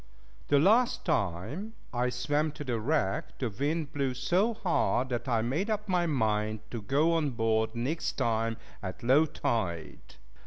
The last time I swam to the wreck, the wind blew so hard, that I made up my mind to go on board next time at low tide.